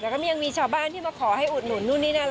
แล้วก็ยังมีชาวบ้านที่มาขอให้อุดหนุนนู่นนี่นั่น